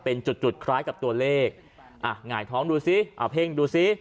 เป็นจุดจุดคล้ายกับตัวเลขอ่ะหงายท้องดูซิเอาเพ่งดูซิ